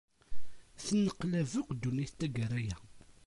Tenneqlab akk ddunit taggara-a.